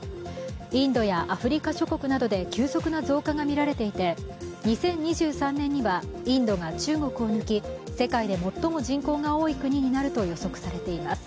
インドやアフリカ諸国などで急速な増加が見られていて２０２３年にはインドが中国を抜き世界で最も人口が多い国になると予測されています。